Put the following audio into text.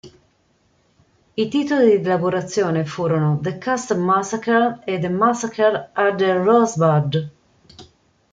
I titoli di lavorazione furono "The Custer Massacre" e "Massacre at the Rosebud".